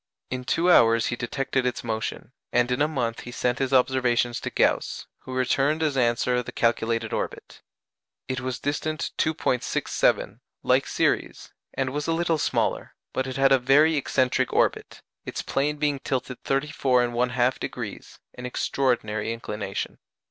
In two hours he detected its motion, and in a month he sent his observations to Gauss, who returned as answer the calculated orbit. It was distant 2·67, like Ceres, and was a little smaller, but it had a very excentric orbit: its plane being tilted 34 1/2°, an extraordinary inclination.